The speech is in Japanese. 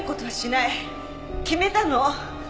決めたの。